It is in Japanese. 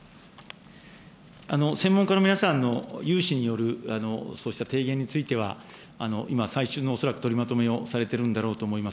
専門家の皆さんの有志によるそうした提言については、今、最新の恐らく、取りまとめをされてるんだろうと思います。